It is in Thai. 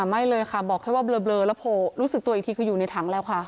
ไม่เลยค่ะบอกแค่ว่าเบลอแล้วโผล่รู้สึกตัวอีกทีคืออยู่ในถังแล้วค่ะ